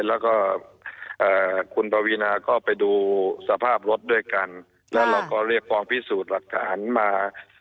แล้วก็คุณปวีนาก็ไปดูสภาพรถด้วยกันแล้วเราก็เรียกกองพิสูจน์หลักฐานมา